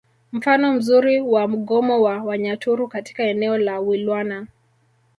Mfano mzuri wa mgomo wa Wanyaturu katika eneo la Wilwana